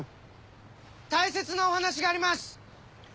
大切なお話があります。